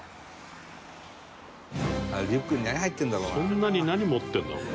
そんなに何持ってるんだろう？